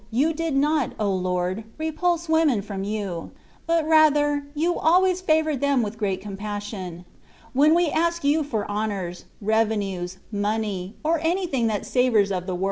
You did not, O Lord ! repulse women from You ; but rather, you always favoured them with great compassion. When we ask You for honours, revenues, money, or anything that savours of tha 14 THE WAY OP PERFECTION.